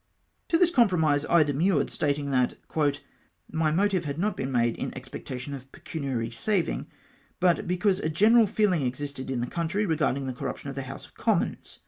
"' To tliis compromise I demurred, stating that " my motive had not been made in expectation of pecuniary saving, but because a general feehng existed in the country regarding the corrujJtion of the House of Com mons!